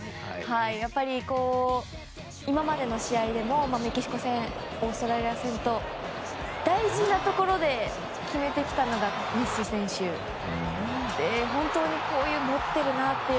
やっぱり今までの試合でもメキシコ戦、オーストラリア戦と大事なところで決めてきたのがメッシ選手で本当に、持ってるなという。